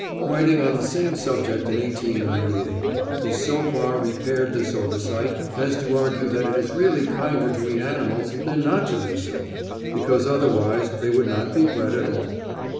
Writing on the same subject in 1898, he so far repaired this oversight as to argue that it is really kinder to eat animals than not to do so, because otherwise they would not be bred at all!